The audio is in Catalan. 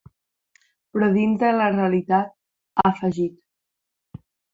Però dins de la realitat, ha afegit.